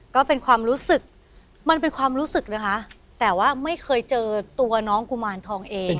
ก็เป็นความรู้สึกมันเป็นความรู้สึกนะคะแต่ว่าไม่เคยเจอตัวน้องกุมารทองเอง